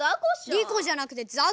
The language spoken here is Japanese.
リコじゃなくてザコ。